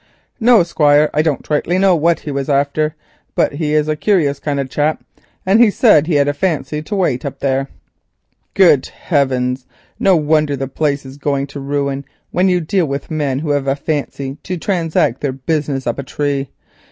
"No, Squire, I don't rightly know what he wor after, but he is a curious kind of a chap, and he said he had a fancy to wait there." "Good heavens! no wonder the place is going to ruin, when you deal with men who have a fancy to transact their business up a tree.